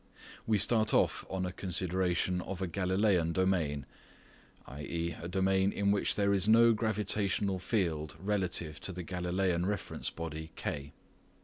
We start off on a consideration of a Galileian domain, i.e. a domain in which there is no gravitational field relative to the Galileian reference body K.